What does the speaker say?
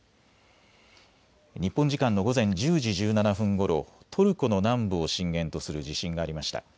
日本時間の午前１０時１７分ごろトルコの南部を震源とする地震がありました。